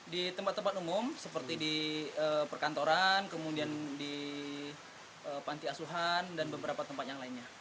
di tempat tempat umum seperti di perkantoran kemudian di panti asuhan dan beberapa tempat yang lainnya